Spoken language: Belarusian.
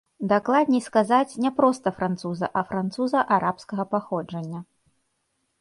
Дакладней сказаць, не проста француза, а француза арабскага паходжання.